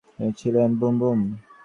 তিনি দেওবন্দি মতাদর্শের সমর্থক ছিলেন।